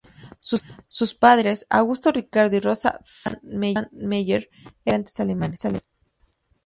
Sus padres, Augusto Ricardo y Rosa Feldmann Meyer, eran inmigrantes alemanes.